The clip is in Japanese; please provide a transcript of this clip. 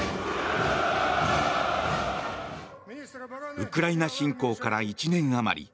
ウクライナ侵攻から１年あまり。